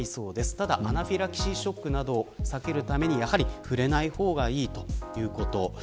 ただアナフィラキシーショックなどを避けるためにやはり触れない方がいいということ。